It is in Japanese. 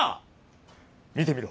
見てみろ。